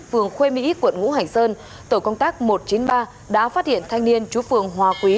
phường khuê mỹ quận ngũ hành sơn tổ công tác một trăm chín mươi ba đã phát hiện thanh niên chú phường hòa quý